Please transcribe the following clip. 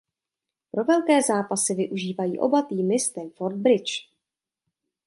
Pro velké zápasy využívají oba týmy Stamford Bridge.